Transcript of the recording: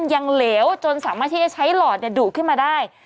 เหลวจนสามารถที่จะใช้หลอดดูดขึ้นมาได้